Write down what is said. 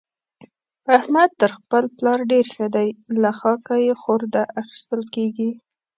احمد تر خپل پلار ډېر ښه دی؛ له خاکه يې خورده اخېستل کېږي.